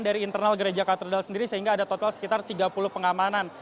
dari internal gereja katedral sendiri sehingga ada total sekitar tiga puluh pengamanan